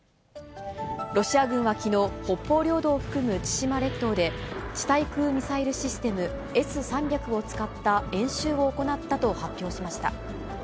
ロシア軍はきのう、北方領土を含む千島列島で、地対空ミサイルシステム、Ｓー３００を使った演習を行ったと発表しました。